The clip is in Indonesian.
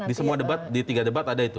di semua debat di tiga debat ada itu